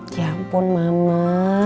ya ampun mama